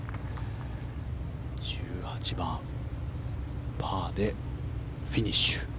１８番、パーでフィニッシュ。